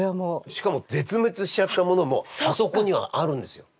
しかも絶滅しちゃったものもあそこにはあるんですよ。